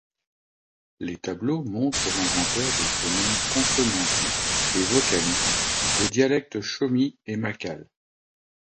Les tableaux montrent l'inventaire des phonèmes consonantiques et vocaliques des dialectes chomi et makhale.